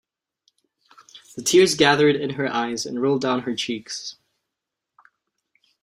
The tears gathered in her eyes and rolled down her cheeks.